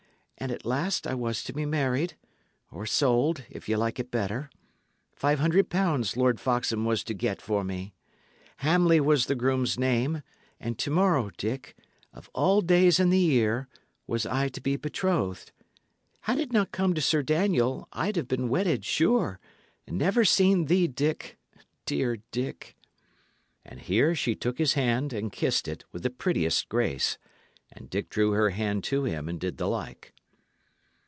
And at last I was to be married or sold, if ye like it better. Five hundred pounds Lord Foxham was to get for me. Hamley was the groom's name, and to morrow, Dick, of all days in the year, was I to be betrothed. Had it not come to Sir Daniel, I had been wedded, sure and never seen thee, Dick dear Dick!" And here she took his hand, and kissed it, with the prettiest grace; and Dick drew her hand to him and did the like.